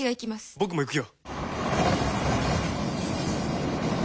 僕も行くよ。